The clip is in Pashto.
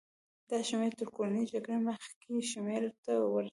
دا شمېر تر کورنۍ جګړې مخکې شمېرې ته ورته و.